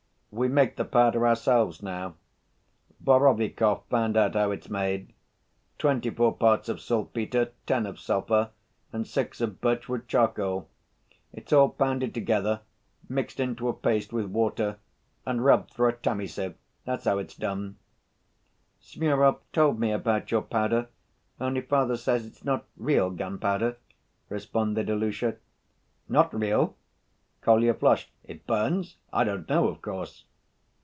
We make the powder ourselves now. Borovikov found out how it's made—twenty‐four parts of saltpeter, ten of sulphur and six of birchwood charcoal. It's all pounded together, mixed into a paste with water and rubbed through a tammy sieve—that's how it's done." "Smurov told me about your powder, only father says it's not real gunpowder," responded Ilusha. "Not real?" Kolya flushed. "It burns. I don't know, of course."